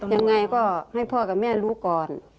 ยังไงก็ให้พ่อกับแม่รู้ก่อน